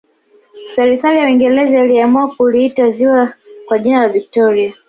serikali ya uingereza iliamua kuliita ziwa kwa jina la victoria